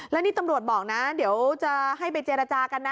แล้วนี่ตำรวจบอกนะเดี๋ยวจะให้ไปเจรจากันนะ